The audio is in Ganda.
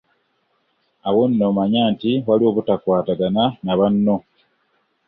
Awo nno manya nti waliwo obutakwatagana na banno.